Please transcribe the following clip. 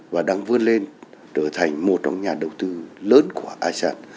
và đang vươn lên trở thành một trong nhà đầu tư lớn của asean